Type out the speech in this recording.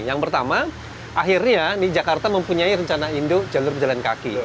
yang pertama akhirnya di jakarta mempunyai rencana induk jalur pejalan kaki